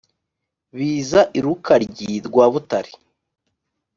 Biza i Rukaryi rwa Butare